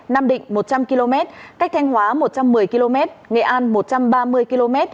nam định một trăm linh km cách thanh hóa một trăm một mươi km nghệ an một trăm ba mươi km